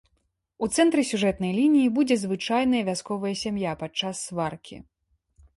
У цэнтры сюжэтнай лініі будзе звычайная вясковая сям'я падчас сваркі.